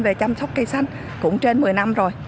về chăm sóc cây xanh cũng trên một mươi năm rồi